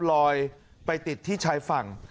ลอยไปติดที่ชายฝั่ง